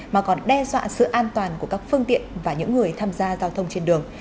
mà còn đe dọa sự an toàn của các phương tiện và những người tham gia giao thông trên đường